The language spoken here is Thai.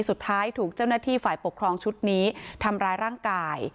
สุดท้ายถูกเจ้าหน้าที่ฝ่ายปกครองชุดนี้ทำร้ายร่างกาย